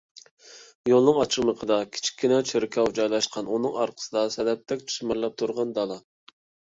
يولنىڭ ئاچىمىقىدا كىچىككىنە چېركاۋ جايلاشقان. ئۇنىڭ ئارقىسىدا سەدەپتەك جىمىرلاپ تۇرغان دالا.